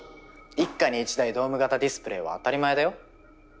一家に一台ドーム型ディスプレーは当たり前だよ。